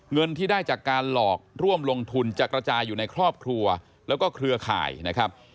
เงินที่ได้จากการหลอกร่วมลงทุนจะกระจายอยู่ในครอบครัวแล้วก็เครือข่ายนะครับ